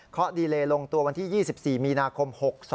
เขาดีเลลงตัววันที่๒๔มีนาคม๖๒